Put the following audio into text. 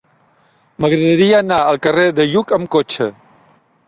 M'agradaria anar al carrer de Lluc amb cotxe.